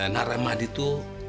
nah rahmadi tuh